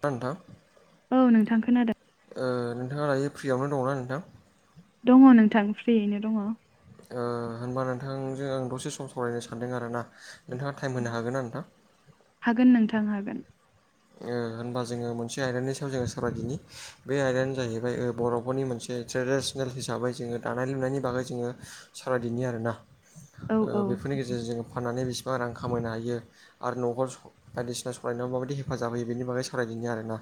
दा नोंथां औ नोंथां खोनादों ओ नोंथाङा दायो फ्रियावनो दंना नोंथां? दङ नोंथां फ्रियैनो दङ‌ ओ होनबा नोंथांजों आं दसे सम सावरायनो सानदों आरो ना नोंथाङा टाइम होनो हागोन ना नोंथां? हागोन नोंथां हागोन। ओ होनबा जोङो मोनसे आयदानि सायाव जोङो सावराय दिनि बे आयदायानो जाहैबाय ओ बर'फोरनि मोनसे ट्रेडिसनेल हिसाबै जोङो दानाय लुनायनि बागै जोङो सावरायदिनि आरोना औ औ बेफोरनि गेजेरजों जोङो फाननानै बिसि बां रां खामायनो हायो आरो न'खर बायदिसिना सालायनायाव माबायदि हे हेफाजाब होयो बेनि बागै सावरायदिनि आरोना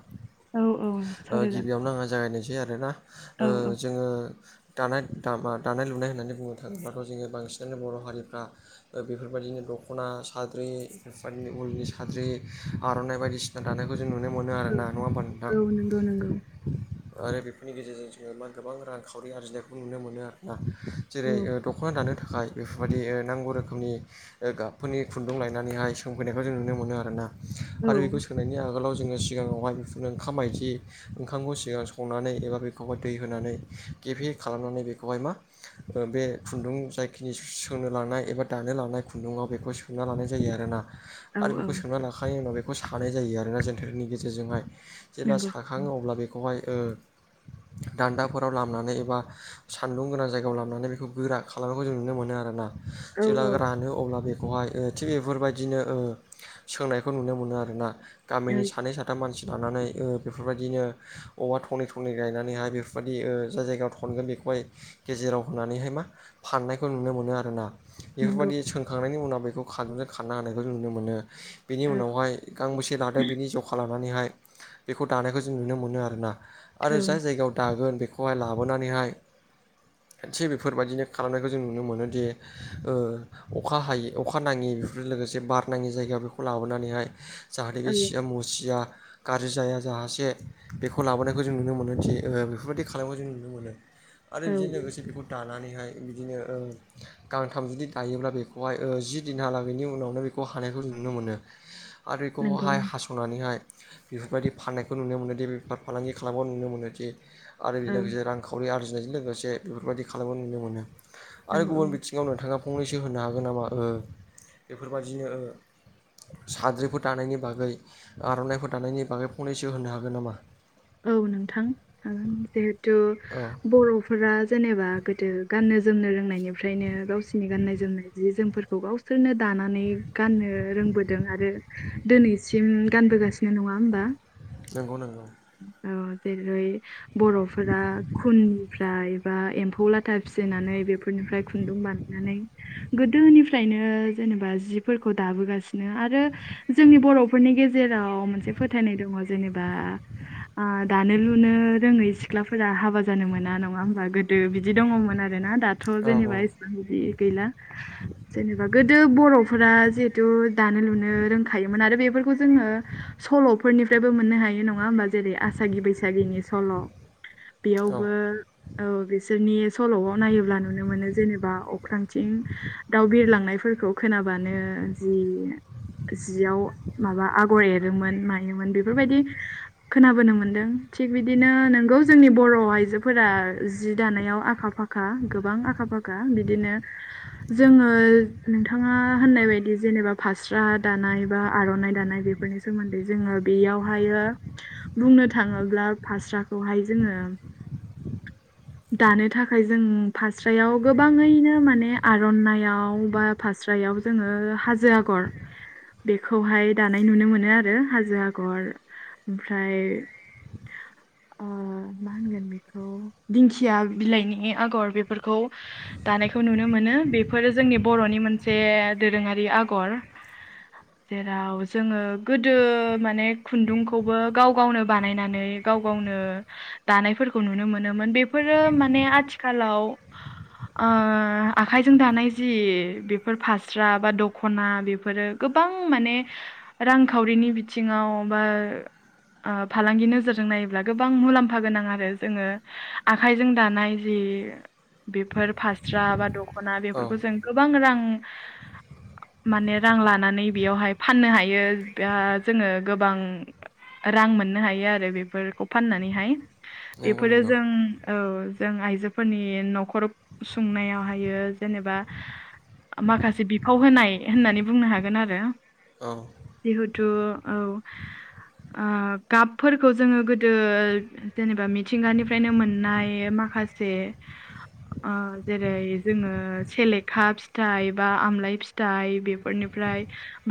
औ औ सावरायजागोन गिबियावनो आङो जागायनोसै आरो ना औ औ ओजोङो दानाय दा दानाय लुनाय होननानै बुंनो थाङोब्लााथ' जोङो बांसिनानो बर' हारिफ्रा बेफोरबायदिनो दख'ना साद्रि बेफोरबायदिनो उलनि साद्रि आर'नाइ बायदि दानायखौ जों नुनो मोनो आरो ना औ नङा होमबा नोंथां? औ नंगौ नंगौ आरो बेफोरनि गेजेरजों जोङो मा गोबां रांखावरि आरजिनायखौ नुनो मोनो आरोना। जेरै औ ओ दख'ना दानो थाखाय बेफोरबायदि ओ नांगौ रोखोमनि ओ गाबफोरनि खुन्दुं लायनानैहाय सोंफैनायखौ जों नुनो मोनो आरोना औ आरो बेखौ होनायनि आगोलाव जोङो सिगाङावहाय बेफोरनो ओंखाम माइदि ओंखामखौ सिगां संनानै एबा बेखौहाय दै होनानै गेबे खालामनानै बेखौहाय मा बे खुन्दुं जायखिनि सोंनो लांनाय एबा दानो लांनाय खुन्दुङाव बेखौ सोंना लानाय जायो आरोना। औ आरो औ बेखौ सोमना लाखांनायनि उनाव बेखौ सानाय जायो आरोना जेनटारनि गेजेरजोंहाय जेब्ला नंगौ खाङो अब्ला बेखौहाय ओ दान्दाफोराव लामनानै एबा सान्दुं गोनां जायगायाव लामनानै बेखौ गोरा खालामनायखौ जों नुनो मोनो आरोना। औ जेब्ला रानो अब्ला बेखौहाय ओ थि बे बेफोरबायदिनो ओ सोंनायखौ नुनो मोनो आरो मोना औ गामिनि सानै सानै फा मानसि लानानै ओ बेफोरबायदिनो औबवा थनै थनै गायनानैहाय बेफोरबायदि ओ जाय जायगायाव थ खनगोन बेखौहाय गेजेराव होनानैहाय मा फाननायखौ नुनो मोनो आरोना नंगौ बेफोरबायदि सोंखांनायनि उनाव बेखौ खारुमजों खारना होनायखौ जों नुनो मोनो बेनि औ उनावहाय गांबेसे लादों बिनि जखा लानानैहाय बेखौ दानायखौ जों नुनो मोनो आरोना औ आरो जाय जायगायाव दागोन बेखौहाय लाबोनानैहाय थिग बेफोरबायदिनो खालामनायखौ जों नुनो मोनोदि ओ अखा हायो अखा नाङि बेफोरजों लोगोसे बार नाङि जायगा बेखौ लाबोनानैहाय जाहाथे बे औ सिया मुसिया गाज्रि जाया जाहासे बेखौ लाबोनायखौ जों नुनो मोनो थि ओ बेफोरबायाददि खालामनायखौ जों नुनो मोनो। आरो बेजों लोगोसे बेखौ दानानैहाय बिदिनो गांथाम जुदि दायोब्ला बेखौहाय ओ जि दिनहालागैनि उनावनो बेखौ हानायखौ जों नुनो मोनो। आरो नंगौ खौवहाय हासुं संनानैहाय बेफोरबायदि फाननायखौ नुनो मोनोदि बेफार फालांगि खालाम नुनो मोनोदि आरो बेजों औ लोगोसे रांखावरि आरजिनायजों लोगोसे बेफोरबायदि खालामो नुनो मोनो औ आरो गुबुन औ बिथिं थिङावनो थाङा फंनैसो होनो हागोन नामा ओ बेफोरबायाददिनो ओ साद्रिफोर दानायनि बागै आर'नाइफोर दानायनि बागै फंनैसो होनो हागोन नामा? औ नोंथां हागोन जिहेथु औ बर' फोरा जेनेबा गोदो गाननो जोमनो रोंनायनिफ्रायनो गावसिरनि गाननाय जोमनाय जि जोमफोर खौ गावसोरनो दानानै गाननो रोंबोदों आरो दोनैसिम गानबोगासिनो नङा होमबा? नंगौ नंगौ औ जेरै बर'फोरा खुननिफ्राय एबा एम्फौ फौ लाथा फिसिनानै बेफोरनिफ्राय खुन्दुं बानायनानै गोदोनिफ्रायनो जेनेबा जिफोरखौ दाबोगासिनो आ रो जोंनि बर'फोरनि गेजेराव मोनसे फोथायनाय दङ जेनेबा आ दानो लुनो रोङै सि ख्लाफोरा हाबा जानो मोना नङा होमबा गोदो बिदि दङमोन आरोना दाथ' औ जेनेबा सेबां इदि गैला। जेनेबा गोदो बर'फोरा जिहेथु दानो लुनो रोंखायोमोन आरो बेफोरखौ जोङो सल'फोरनिफ्रायबो मोननो हायो नङा होमबा? जेरै आसागि बैसागिनि सल' औ बेयावबो औ बिसोरनि सल'आव नायोब्ला नुनो मोनो जेनेबा अख्रांथिं दाउ बिरलांनायफोरखौ खोनाबानो जि जियाव माबा आगर एरोमोन मायोमोन बेफोरबायदि खोनाबोनो मोनदों थिग बिदिनो नोंगौ जोंनि बर' आइजोफोरा जि दानायाव आखा फाखा खा गोबां आखा फाखा बिदिनो जोङो नोंथाङा होननाय बायदि जेनेबा फास्रा दानाय बा आर'ना दानाय बे बेफोरनि सोमोन्दै जोङो बेयावहाययो बुंनो थाङोब्ला फास्राखौहाय जोङो [unintelligible] दानो थाखाय जों फास्रायाव गोबाङैनो माने आर'नायइाव बा फास्रायाव जोङो हाजो आगर बेखौहाय दानाय नुनो मोनो आरो हाजो आगर। ओमफ्राय [inaudible] अ मा होनगोन बेखौ दिंखिया बिलाइनि आगर बेफोरखौ दानायखौ नुनो मोनो बेफोरो जोंनि बर'नि मोनसे दोरोङारि आगर। जेराव जोङो गोदो माने खुन्दुं खौबो गाव गावनो बानायनानै गाव गावनो दानायफोरखौ नुनो मोनोमोन बेफोरो माने आथिखालाव ओ आखाइजों दानाय जि बेफोर फास्रा बा दख'ना बेफोरो गोबां माने रांखावरिनि बिथिङाव बा आं फालांगि नोजोरजों नायोब्ला गोबां मुलाम्फा गोनां आरो जोङो आखाइजों दानाय जि बेफोर फास्रा बा दख'ना औ बेफोरखौ जों गोबां रां माने रां लानानै बेयावहाय फाननो हायो आ जोङो गोबां रां मोननो हायो आरो बेफोरखौ फाननानैहाय नंगौ बेफोरो नंगौ जों औ जों आइजोफोरनि न'खर सुंनायावहायो जेनेबा माखासे बिफाव होनाय होननानै बुंनो हागोन आरो। औ जिहुतु औ ओ गाबफोरखौ जोङो गोदो जेनेबा मिथिंगानिफ्रायनो मोननाय माखा [unintelligible] जेरै जोङो सेलेखा फिथाइ बा आमलाइ फि थाइ बेफोरनिफ्राय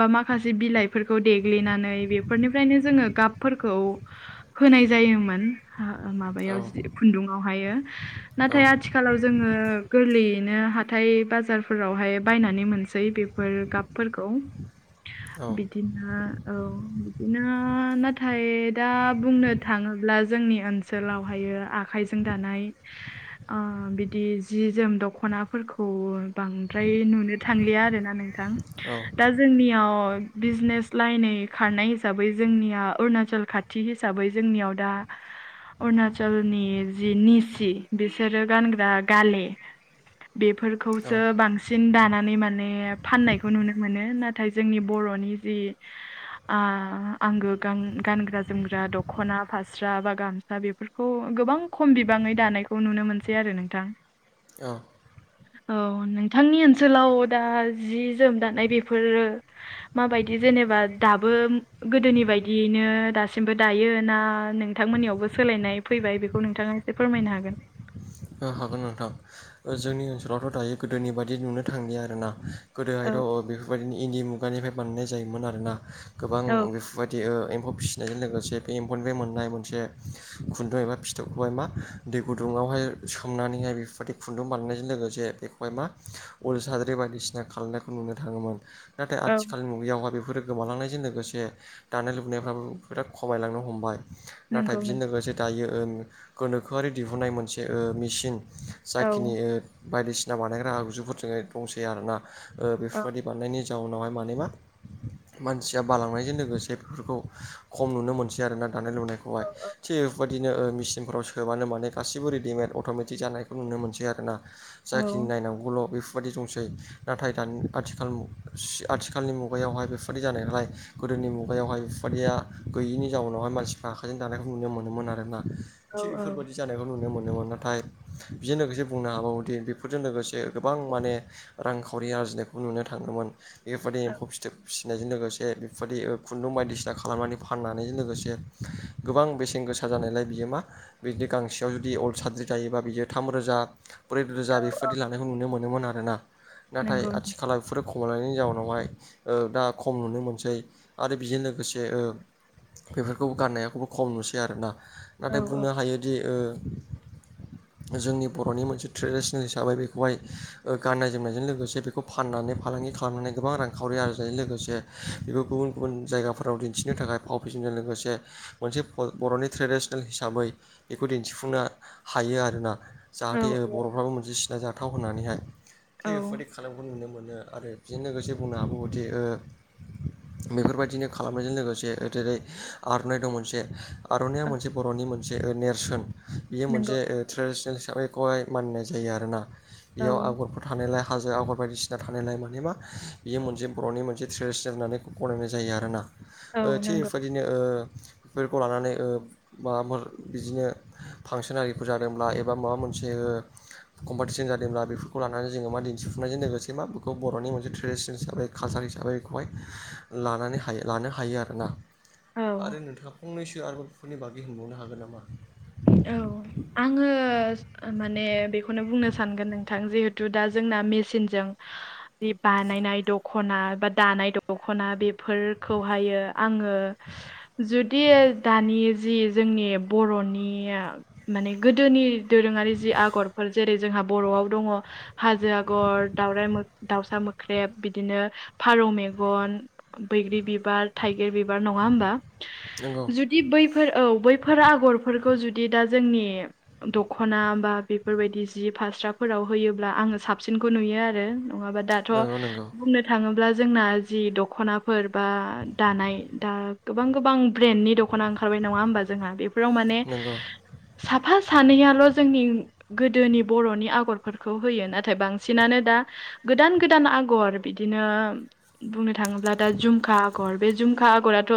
बा माखासे बिलाइफोरखौ देग्लिनानै बेफोरनिफ्रायनो जोङो गाबफोरखौ होनाय जायोमोन औ माबायाव जि खुन्दुंङावहायो नाथाय आथिखालाव जोङो गोरलैयैनो हाथाय बाजारफोरावहाय बायनानै मोनसै बे फोर गाबफोरखौ [unintelligible] बिदिनो औ बिदिनो [unintelligible] नाथाय दा बुंनो थाङोब्ला जोंनि ओनसोलावहायो आखाइजों दानाय बिदि जि जोम दख'नाफोरखौ बांद्राय नुनो थांलिया आरोना नोंथां औ दा जोंनियाव बिजनेस लाइननै खारनाय दा बै जोंनिया अरुणाचल खाथि हिसाबै जोंनियाव दा अरुणचलनि जि निसि बिसोरो गानग्रा गाले बेफोरखौसो बांसिन जों दानानै माने फाननायखौ नुनो मोनो नाथाय जोंनि बर'नि जि आंगो गाव गानग्रा-जोमग्रा दख'ना फास्रा बा गामसा बे खौ गोबां खम बिबाङै दानायखौ नुनो मोनसै आरो नोंथां औ औ नोंथांनि ओनसोलाव दा जि जोम दानाय बेफोरो माबायदि जेनेबा दाबो गोदोनि बायदियैनो दासिमबो दायो ना नोंथांमोननियावबो सोलायनाय फैबाय बेखौ नोंथाङा एसे फोरमायनो हागोन? औ हागोन नोंथां जोंनि ओनसोलावथ' दायो गोदोनि बायदि नुनो थांलिया आरोना गोदोहाय र' औ बेफोरबायदिनो इन्दि मुगानिफ्राय बानायनाय जायोमोन आरोना गोबां औ बे बायदि एम्फौ फिसिनायजों लोगोसे बे एम्फौनिफ्राय मोननाय मोनसे खुन्दुं एबा फिथोबखौहाय मा दै गुदुुंआव हाय सोमनानैहाय बेफोरबादि खुन्दुं बानायनायजों लोगोसे बेखौहाय मा उल साद्रि बायदिसिना खालामनाय नुनो थाङोमोन नाथाय औ आथिखालनि मुगायावहाय बेफोरो गोमालांनायजों लोगोसे दानाय लुनायफ्राबो बिराद खमायलांनो हमबाय नाथाय नंगौ बेजों नों लोगोसे दायो गोनोखोआरि दिहुननाय मोनसे मेसिन औ जाखिनि बायदिसिना बानायग्रा आगजुफोर जो दंसै आरोना औ बेफोरबायदि बानायनायनि जाउनावहाय माने मा मानसिया बांलांनायजों लोगोसे बेफोरखौ खम नुनो मोनसै आरोना दानाय लुनायखौहाय औ औ थिग बेफोरबायदिनो मेचिनफ्राव सोबानो माने गासिबो रेडिमेड अट'मेटिक जानायखौ नुनो मोनसै आरोना औ जाखिनि नायनांगौल' बे बेफोरबायदि दंसै नाथाय दानि आथिखाल मु आथिखालनि मुगायावहाय बेफोरबायदि जानायलाय गोदोनि मुगायावहाय बेफोरबादिया गैयिनि जाउनावहाय मानसिफ्रा आखाइजों दानायखौ नुनो मोनोमोन आरोना औ थिग औ बेफोरबायदि जानायखौ नुनो मोनोमोन नाथाय बेजों लोगोसे बुंनो हाबावोदि बेफोर फोरजों लोगोसे गोबां माने रांखावरि आरजिनायखौ नुनो थांङोमोन। बेफोरबायदि औ एम्फौ फिथोब फि नायजों लोगोसे बेफोरबायदि खुन्दुं बायदिसिना खालामनानै फाननायजों लोगोसे गोबां बेसेन गोसा जानायलाय बियो मा बिदि गांसेयाव जुदि उल साद्रि जायोबा बियो थाम रोजा ब्रै रोजा बेफोरबायदि लानायखौ नुनो मोनोमोन आरोना नाथाय नंगौ आथिखालाव बेफोरो खमायलायनायनि जाउनावहाय दा खम नुनो मोनसै आरो बेजों लोगोसे बेफोरखौबो गाननायाखौबो खम नुसै आरोना औ नाथाय बुंनो हायोदि जोंनि बर'नि मोनसे ट्रेडिसनेल हिसाबै बेखौहाय ओ गाननाय जोमनायजों लोगोसे बेखौ फाननानै फालांगि खालामनानै गोबां रांखावरि आरजिनाय लोगोसे बेखौ गुबुन गुबुन जायगाफोराव दिन्थिनो थाखाय फाव बिजोंनो लोगोसे मोनसे फल बर'नि ट्रेडिसनेल हिसाबै बिखौ दिन्थिफुंनो हायो आरोना जाहाथे ओ औ बर'फ्राबो मोनसे सिना जाथाव होननानैहाय। औ थिग बेफोबायदि खालामनायखौ नुनो मोनो आरो बिजों लोगोसे बुंनो हाबावो दि ओ बेफोरबायदिनो खालामनायजों लोगोसे ओ जेरै आर'नाइ दं मोनसे आर'नाया औ मोनसे बर'नि मोनसे ओ नेरसोन बियो मोनसे नंगौ ओ ट्रेडिसनेल हिसाबैखौहाय मानिनाय जायो आरोना औ बेयाव आगरफोर थानायलाय हाजो आगर बायदिसिना थानायलाय माने मा बियो मोनसे बर'नि मोनसे ट्रेडिसनेल होननानै गनायनाय जायो आरोना। औ ओ थिग नंगौ बेफोबादिनो ओ बेफोरखौ लानानै ओ माबाफोर बिदिनो फांसोनारिफोर जादोंब्ला एबा माबा मोनसे ओ कम्पाथिसोन जादोंब्ला बेफोरखौ लानानै जोङो मा दिन्थिफुंनायजों लोगोसे मा बेखौ बर'नि मोनसे ट्रेडिसनेल हिसाबै खालसार हिसाबै बेखौहाय लानानै हायो लानो हायो आरोना। औ आरो नोंथाङा फंनैसो आरो बर'फोरनि बागै होनबावनो हागोन नामा? औ आङो माने बेखौनो बुंनो सानगोन नोंथां थां जिहेथु दा जोंना मेसिनजों बे बानायनाय दख'ना बा दानाय दख'ना बे फोरखौहायो आङो जुदि दानि जि जोंनि बर'नि माने गोदोनि दोरोङारि जि आगरफोर जेरै जोंहा बर'आव दङ हाजो आगर दउराइ मो दाउसा मोख्रेब बिदिनो फारौ मेगन बैग्रि बिबार थाइगिर बिबार नङा होमबा नंगौ जुद बि बैफोर औ बैफोर आगरफोरखौ जुदि दा जोंनि दखना बा बेफोरबायदि जि फास्राफोराव होयोब्ला आङो साबसिनखौ नुयो आरो। नङाबा दाथ' नंगौ नंगौ बुंनो थाङोब्ला जोंना जि दख'नाफोर बा दानाय दा गोबां गोबां ब्रेन्डनि दख'ना ओंखारबाय नङा होमबा जोंहा बेफोराव माने नोंगौ। साफा सानैयाल' जोंनि गोदोनि बर'नि आगरफोरखौ होयो नाथाय बांसिनानो दा गोदान गोदान आगर बिदिनो बुंनो थाङोब्ला दा झुमखा आगर बे झुमखा आगराथ'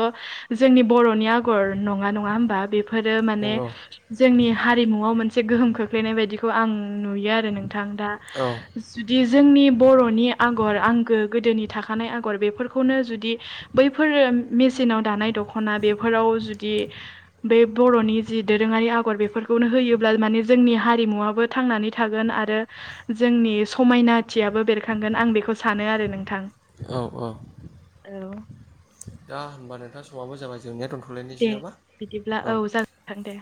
जोंनि बर'नि आगर नङा नङा होमबा? बेफोरो माने नंगौ ने जोंनि हारिमुआव मोनसे गोहोम खोख्लैनाय बायदिखौ आं नुयो आरो नोंथां दा। औ जुदि जोंनि बर'नि आगर आंगो गोदोनि थाखानाय आगर बेफोरखौनो जुदि बैफोर मेचिनाव दानाय दखना बेफोराव जुदि बे बर'नि जि दोरोङारि आगर बेफोरखौनो होयोब्ला माने जोंनि हारिमुवाबो थांनानै थागोन आरो जोंनि समायनाथियाबो बेरखांगोन आं बेखौ सानो आरो नोंथां। औ औ दा होनबा नोंथां समाबो जाबाय जोंनाया दोनथ' दे बिदिब्ला औ जागोन नोंथां दे।